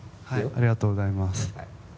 ありがとうございます。